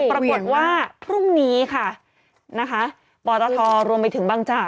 ปรากฏว่าพรุ่งนี้ค่ะนะคะปตทรวมไปถึงบางจาก